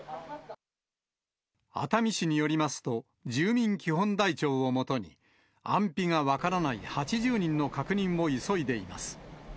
熱海市によりますと、住民基本台帳を基に、安否が分からない８０人の確認を急いでいます。